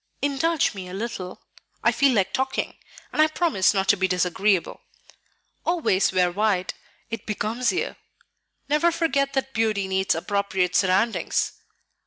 "Indulge me a little; I feel like talking, and I promise not to be disagreeable. Always wear white; it becomes you. Never forget that beauty needs appropriate surroundings.